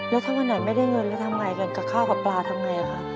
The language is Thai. แล้วถ้าวันไหนไม่ได้เงินแล้วทำไงกันกับข้าวกับปลาทำไงคะ